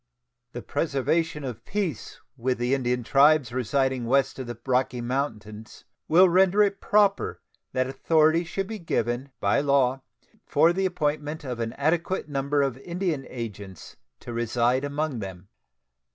The preservation of peace with the Indian tribes residing west of the Rocky Mountains will render it proper that authority should be given by law for the appointment of an adequate number of Indian agents to reside among them.